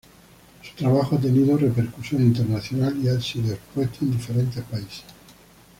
Su trabajo ha tenido repercusión internacional y ha sido expuesto en diferentes países.